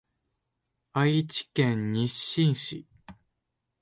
愛知県日進市